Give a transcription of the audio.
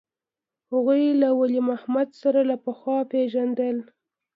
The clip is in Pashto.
هغوى له ولي محمد سره له پخوا پېژندل.